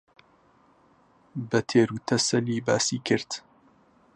بە تێروتەسەلی باسی کرد